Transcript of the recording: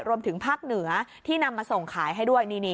รวมถึงภาคเหนือที่นำมาส่งขายให้ด้วย